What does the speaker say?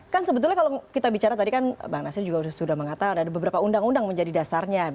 karena kita bicara tadi kan bang nasir sudah mengatakan ada beberapa undang undang menjadi dasarnya